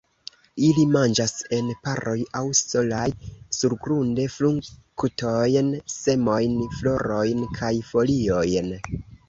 Ili manĝas en paroj aŭ solaj surgrunde, fruktojn, semojn, florojn kaj foliojn.